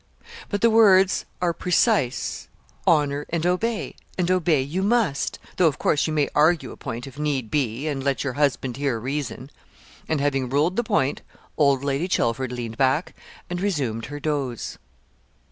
But the words are precise honour and obey and obey you must; though, of course you may argue a point, if need be, and let your husband hear reason.' And, having ruled the point, old Lady Chelford leaned back and resumed her doze.